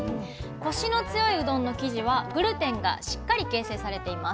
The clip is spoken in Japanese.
コシの強いうどんの生地はグルテンがしっかり形成されています。